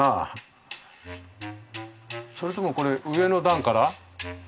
それともこれ上の段から？